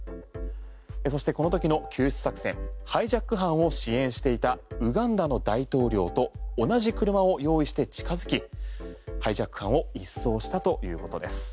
そしてこのときの救出作戦ハイジャック犯を支援していたウガンダの大統領と同じ車を用意して近づきハイジャック犯を一掃したということです。